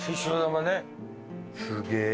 すげえ。